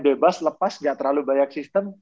bebas lepas gak terlalu banyak sistem